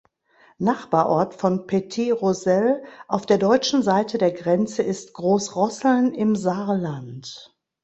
Nachbarort von Petite-Rosselle auf der deutschen Seite der Grenze ist Großrosseln im Saarland.